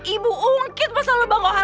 ibu ungkit masa lalu bangga kohar